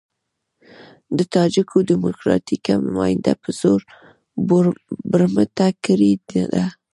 د تاجکو ډيموکراتيکه نمايندګي په زور برمته کړې ده.